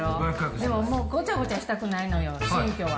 でももう、ごちゃごちゃしたくないのよ、新居は。